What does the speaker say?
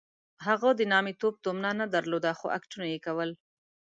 هغه د نامیتوب تومنه نه درلوده خو اکټونه یې کول.